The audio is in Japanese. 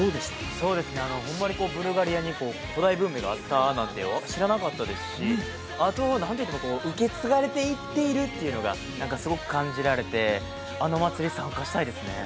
そうですねホンマにこうブルガリアに古代文明があったなんて知らなかったですしあとはなんといってもこう受け継がれていっているっていうのが何かすごく感じられてあの祭り参加したいですね